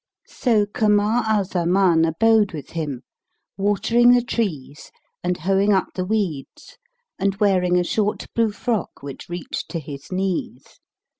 So Kamar al Zaman abode with him, watering the trees and hoeing up the weeds and wearing a short blue frock which reached to his knees.